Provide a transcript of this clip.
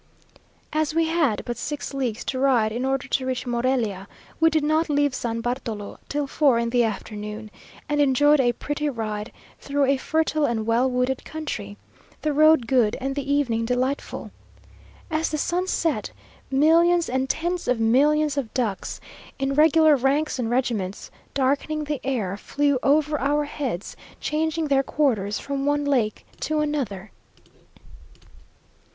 As we had but six leagues to ride in order to reach Morelia, we did not leave San Bartolo till four in the afternoon, and enjoyed a pretty ride through a fertile and well wooded country, the road good and the evening delightful. As the sun set, millions and tens of millions of ducks, in regular ranks and regiments, darkening the air, flew over our heads, changing their quarters from one lake to another.